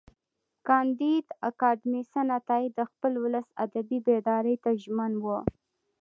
کانديد اکاډميسن عطایي د خپل ولس ادبي بیداري ته ژمن و.